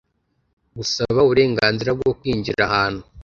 Gusaba uburenganzira bwo kwinjira ahantu